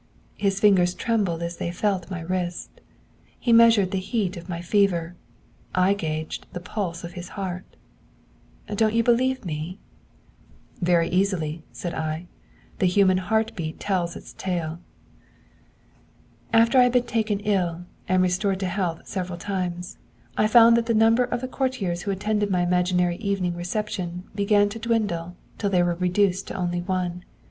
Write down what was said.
His fingers trembled as they felt my wrist. He measured the heat of my fever, I gauged the pulse of his heart. Don't you believe me?' Widows are supposed to dress in white only, without ornaments or jewellery. 'Very easily,' said I; 'the human heart beat tells its tale.' 'After I had been taken ill and restored to health several times, I found that the number of the courtiers who attended my imaginary evening reception began to dwindle till they were reduced to only one!